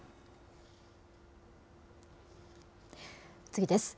次です。